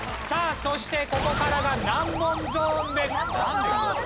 さあそしてここからが難問ゾーンです。